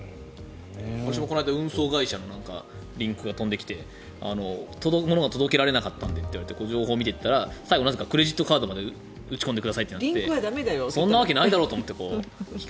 私もこの間運送会社のリンクが飛んできて物が届けられなかったのでといって情報を見ていったら最後になぜかクレジットカードまで打ち込んでくださいってなってそんなわけないだろうと思って。